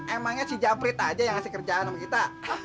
emangnya si japrit aja yang ngasih kerjaan sama kita